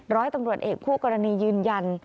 ร้อยตำรวจเอกคู่กรณียืนยัน